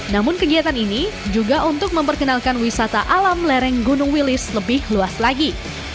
namun kegiatan ini juga untuk memperkenalkan wisata alam lereng gunung wilis lebih luas lagi